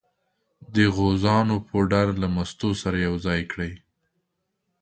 د غوزانو پوډر له مستو سره یو ځای کړئ.